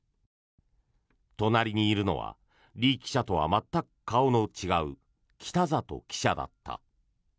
隣にいるのはリ記者とは全く顔の違う北里記者だった。